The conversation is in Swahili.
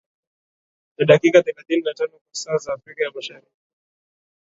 na dakika thelathini na tano kwa saa za afrika ya mashariki